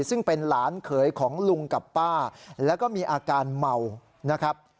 ซึ่งเป็นหลานเขยของลุงกับป้าแล้วก็มีอาการเมานะครับ